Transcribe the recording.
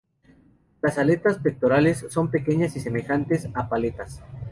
Las aletas pectorales son pequeñas y semejantes a paletas.